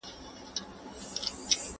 را روان یم خو تر اوسه لا پر لار یم